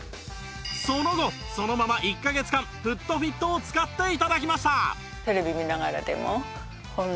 その後そのまま１カ月間フットフィットを使って頂きました